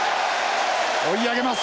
追い上げます。